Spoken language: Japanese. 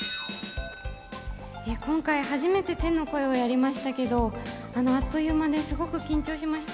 今回、初めて天の声をやりましたけど、あっという間で緊張しました。